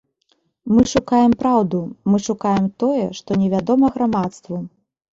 Мы шукаем праўду, мы шукаем тое, што невядома грамадству.